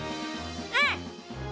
うん！